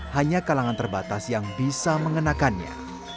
hanya kalangan terbatas yang bisa mengenakannya